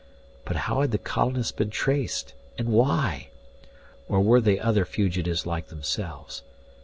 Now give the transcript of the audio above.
But how had the colonists been traced? And why? Or were they other fugitives like themselves?